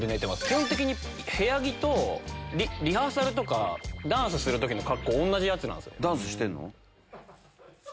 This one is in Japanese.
基本的に部屋着とリハーサルとかダンスする時の格好同じやつなんすよ。